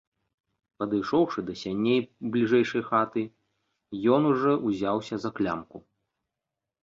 Падышоўшы да сяней бліжэйшае хаты, ён ужо ўзяўся за клямку.